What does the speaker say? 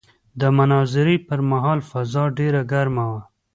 د مناظرې پر مهال فضا ډېره ګرمه وه.